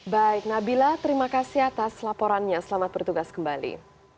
baik nabila terima kasih atas laporannya selamat bertugas kembali